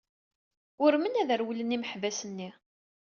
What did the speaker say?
Urmen ad rewlen yimeḥbas-nni.